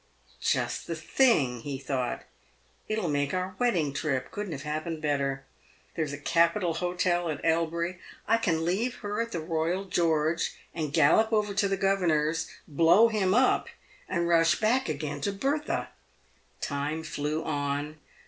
" Just the thing !" he thought. " I'll make it our wedding trip. Couldn't have happened better. There's a capital hotel at Elbury. I can leave her at the Royal Greorge, and gallop over to the governor's, blow him up, and rush back again to Bertha." Time flew on.